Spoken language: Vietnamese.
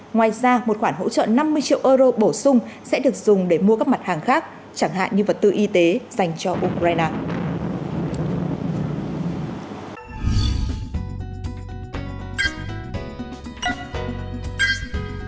ngoài ra một khoản hỗ trợ năm mươi triệu euro bổ sung sẽ được dùng để mua các mặt hàng khác chẳng hạn như vật tư y tế dành cho ukraine